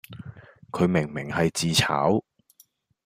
佢明明係自炒